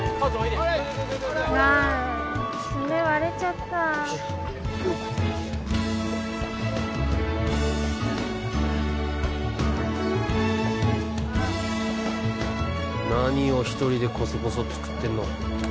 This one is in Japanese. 爪割れちゃった何を一人でコソコソ作ってんの？